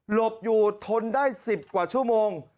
บอยู่ทนได้๑๐กว่าชั่วโมง